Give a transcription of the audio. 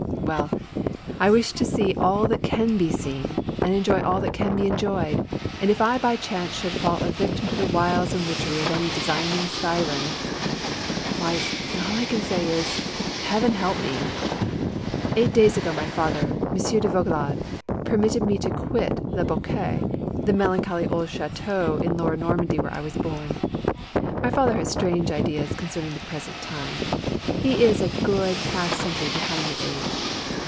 Well, I wish to see all that can be seen and enjoy all that can be enjoyed, and if I by chance should fall a victim to the wiles and witchery of any designing siren — why, all I can say is — Heaven help me! Eight days ago my father, M. de Vaugelade, permit ted me to quit Le Boquet, the melancholy old chateau in Lower Normandy where I was born. My father has strange ideas concerning the present time, he is a good half century behind the age.